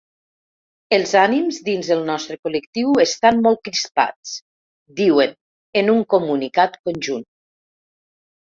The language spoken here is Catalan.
“Els ànims dins el nostre col·lectiu estan molt crispats”, diuen en un comunicat conjunt.